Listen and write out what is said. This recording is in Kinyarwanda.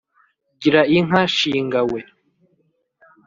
gira inka shinga we